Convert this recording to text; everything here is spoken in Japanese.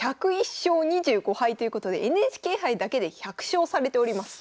１０１勝２５敗ということでＮＨＫ杯だけで１００勝されております。